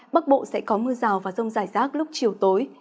bắc bộ sẽ có mưa rào và rông rải rác lúc chiều tối